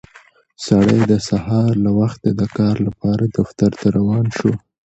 سړی د سهار له وخته د کار لپاره دفتر ته روان شو